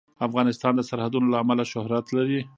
افغانستان د سرحدونه له امله شهرت لري.